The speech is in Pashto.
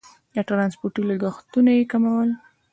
د ټرانسپورتي لګښتونه یې کمول.